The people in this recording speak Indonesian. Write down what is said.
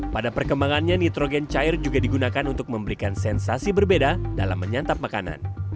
pada perkembangannya nitrogen cair juga digunakan untuk memberikan sensasi berbeda dalam menyantap makanan